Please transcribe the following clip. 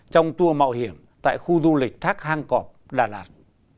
trong tour mạo hiểm tại khu du lịch thác hang cọp đà lạt